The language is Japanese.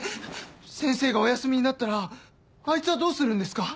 先生がお休みになったらあいつはどうするんですか？